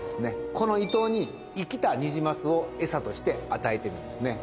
このイトウに生きたニジマスをエサとして与えてるんですね